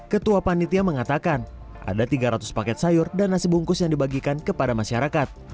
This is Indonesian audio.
ketua panitia mengatakan ada tiga ratus paket sayur dan nasi bungkus yang dibagikan kepada masyarakat